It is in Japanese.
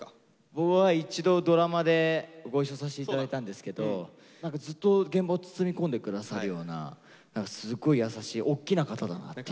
僕は一度ドラマでご一緒させて頂いたんですけど何かずっと現場を包み込んで下さるようなすっごい優しい大きな方だなっていう。